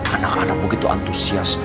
anak anak begitu antusias